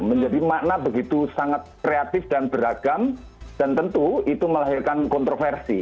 menjadi makna begitu sangat kreatif dan beragam dan tentu itu melahirkan kontroversi